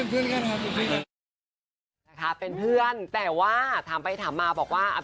สมมุติเป็นอาอายได้ไหมอาอาย